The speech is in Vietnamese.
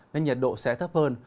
nên nhiệt độ sẽ thấp hơn